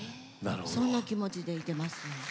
そんな気持ちでいてます。